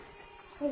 はい。